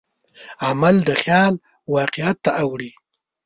عمل د خیال واقعیت ته اړوي.